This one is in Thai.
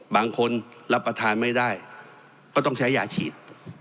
บางคนรับประทานไม่ได้ก็ต้องใช้ยาฉีด